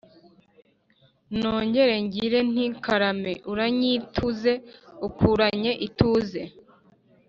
Nongere ngire nti karame uranyituze ukuranye ituze